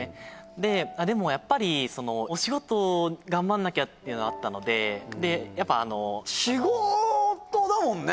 であっでもやっぱりお仕事を頑張んなきゃっていうのがあったのででやっぱ仕事だもんね